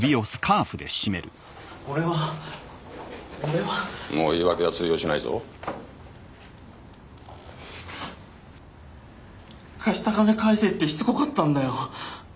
俺は俺はもう言い訳は通用しないぞ「貸した金返せ」ってしつこかったんだよ